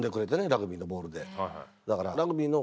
ラグビーのボールで。